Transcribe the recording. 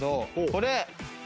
これ。